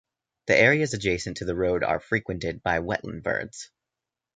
The areas adjacent to the road are frequented by wetland birds.